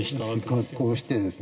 加工してですね